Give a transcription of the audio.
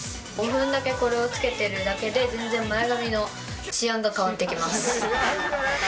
５分だけこれをつけてるだけで、全然、前髪の治安が変わってきます。